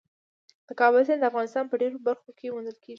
د کابل سیند د افغانستان په ډېرو برخو کې موندل کېږي.